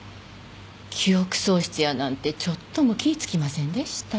記憶喪失やなんてちょっとも気ぃ付きませんでした。